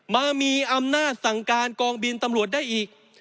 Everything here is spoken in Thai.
มามีอำนาจสั่งการกองบินตำรวจได้อีก